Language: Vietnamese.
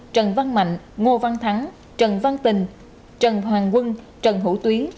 trần văn mạnh ngô văn thắng trần văn tình trần hoàng quân trần hữu tuyến